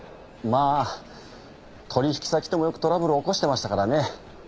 まあ取引先ともよくトラブル起こしてましたからね。